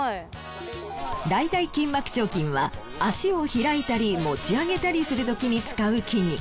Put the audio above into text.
大腿筋膜張筋は脚を開いたり持ち上げたりするときに使う筋肉。